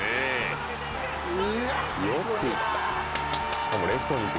しかもレフトに行く。